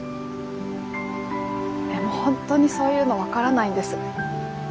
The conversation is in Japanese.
でも本当にそういうの分からないんです。